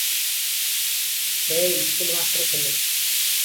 ସେ school master ଥିଲେ ।